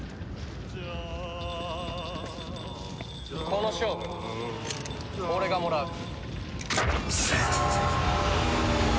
この勝負俺がもらう。